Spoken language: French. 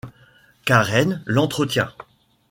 Karen l'entretient.